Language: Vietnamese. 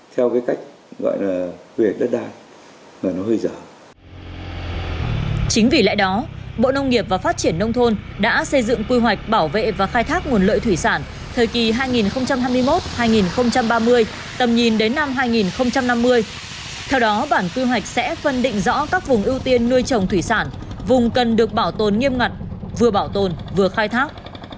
theo đó bản tư hoạch sẽ phân định rõ các vùng ưu tiên nuôi trồng thủy sản vùng cần được bảo tồn nghiêm ngặt vừa bảo tồn vừa khai thác